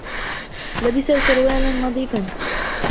لبس سروالاَ نظيفاَ.